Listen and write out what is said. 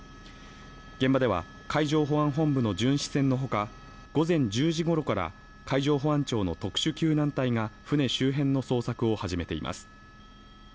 現場では海上保安本部の巡視船のほか午前１０時ごろから海上保安庁の特殊救難隊が船周辺の捜索を始めています